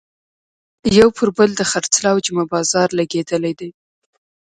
یو پر بل د خرڅلاو جمعه بازار لګېدلی دی.